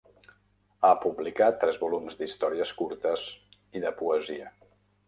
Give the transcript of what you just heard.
Ha publicat tres volums d'històries curtes i de poesia.